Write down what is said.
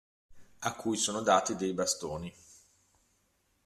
A cui sono dati dei bastoni.